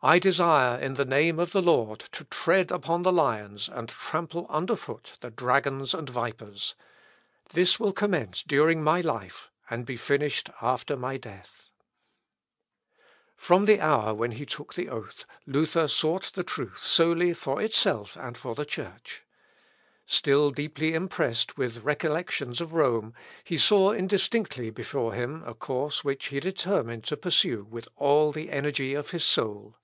I desire, in the name of the Lord, to tread upon the lions, and trample under foot the dragons and vipers. This will commence during my life, and be finished after my death." Luth. Op. (W.) xxi, 2061. From the hour when he took the oath Luther sought the truth solely for itself and for the Church. Still deeply impressed with recollections of Rome, he saw indistinctly before him a course which he determined to pursue with all the energy of his soul.